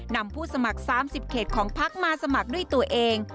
นำผู้สมัคร๓๐เขตของพักมาสมัครด้วยตัวเอง